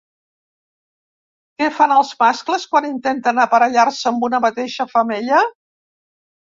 Què fan els mascles quan intenten aparellar-se amb una mateixa femella?